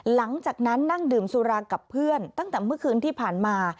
หลังจากนั้นนั่งดื่มสุรากับเพื่อนตั้งแต่เมื่อคืนที่ผ่านมา